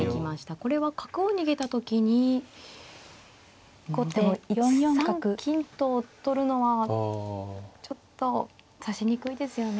これは角を逃げた時にうんでも１三金と取るのはちょっと指しにくいですよね。